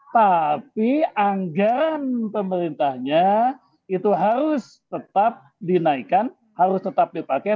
tapi anggaran pemerintahnya itu harus tetap dinaikkan harus tetap dipakai